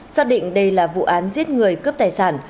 xác định đây là vụ án giết người cướp tài sản